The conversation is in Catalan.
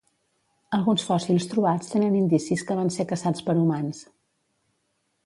Alguns fòssils trobats tenen indicis que van ser caçats per humans.